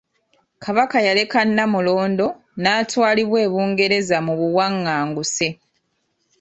Kabaka yaleka Nnamulondo n'atwalibwa e Bungereza mu buwanganguse.